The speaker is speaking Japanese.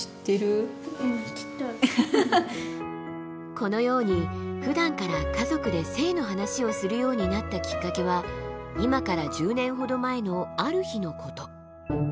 このようにふだんから家族で性の話をするようになったきっかけは今から１０年ほど前のある日のこと。